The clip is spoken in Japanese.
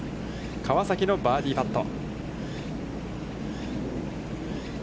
川崎のバーディーパット。